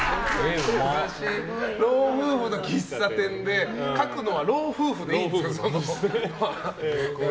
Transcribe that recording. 老夫婦の喫茶店で描くのは老夫婦でいいんですか。